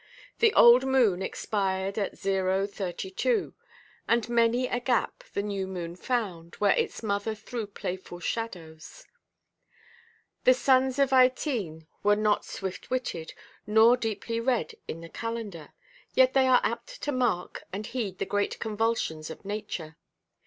The old moon expired at O·32; and many a gap the new moon found, where its mother threw playful shadows. The sons of Ytene are not swift–witted, nor deeply read in the calendar; yet they are apt to mark and heed the great convulsions of nature.